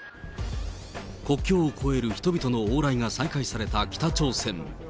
国境を越える人々の往来が再開された北朝鮮。